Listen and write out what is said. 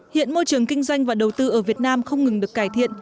hiện môi trường kinh doanh và đầu tư ở việt nam không ngừng được cải thiện